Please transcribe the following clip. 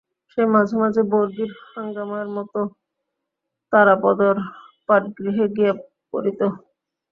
সে মাঝে মাঝে বর্গির হাঙ্গামার মতো তারাপদর পাঠগৃহে গিয়া পড়িত।